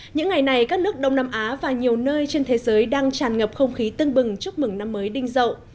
những ngày này các nước đông nam á và nhiều nơi trên thế giới đang tràn ngập không khí tưng bừng chúc mừng năm mới đinh rậu